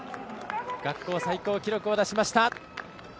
学校最高記録を出しました。